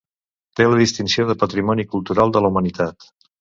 Té la distinció de Patrimoni Cultural de la Humanitat.